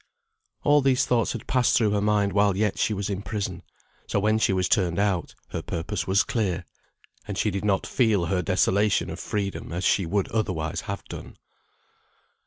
All these thoughts had passed through her mind while yet she was in prison; so when she was turned out, her purpose was clear, and she did not feel her desolation of freedom as she would otherwise have done.